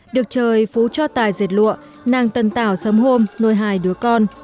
được trời phú cho tài dệt lụa nàng tân tạo sớm hôm nuôi hai đứa con